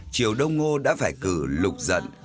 triệu đông ngô đã phải cử lục dận